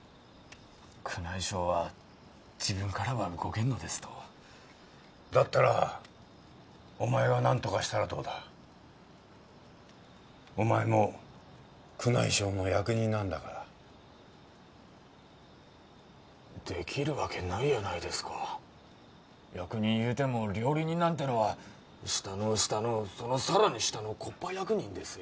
宮内省は自分からは動けんのですとだったらお前が何とかしたらどうだお前も宮内省の役人なんだからできるわけないやないですか役人いうても料理人なんてのは下の下のそのさらに下の木っ端役人ですよ